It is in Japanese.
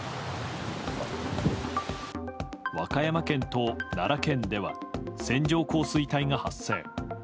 和歌山県と奈良県では線状降水帯が発生。